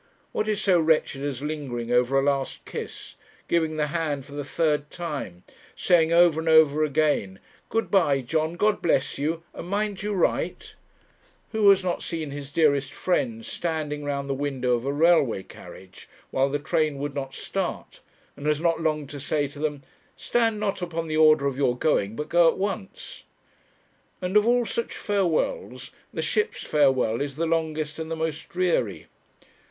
What is so wretched as lingering over a last kiss, giving the hand for the third time, saying over and over again, 'Good bye, John, God bless you; and mind you write!' Who has not seen his dearest friends standing round the window of a railway carriage, while the train would not start, and has not longed to say to them, 'Stand not upon the order of your going, but go at once!' And of all such farewells, the ship's farewell is the longest and the most dreary.